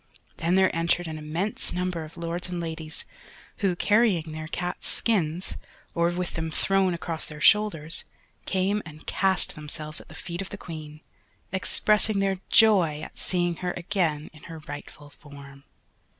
Then there entered an immense number of lords and ladies, who carrying their cats' skins, or with them thrown across their shoulders, came and cast themselves at the feet of the Queen, expressing their joy at seeing her again in her rightful form.